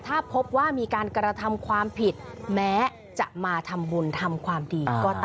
ถ้าพบว่ามีการกระทำความผิดแม้จะมาทำบุญทำความดีก็ตาม